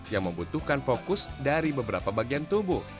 yang membutuhkan fokus dari beberapa bagian tubuh